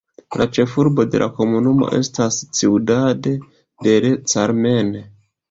La ĉefurbo de la komunumo estas Ciudad del Carmen.